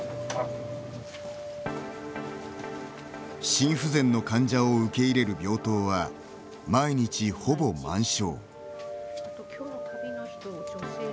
心不全の患者を受け入れる病棟は、毎日ほぼ満床。